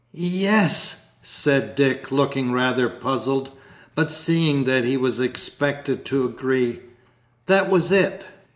"Y yes," said Dick, looking rather puzzled, but seeing that he was expected to agree; "that was it."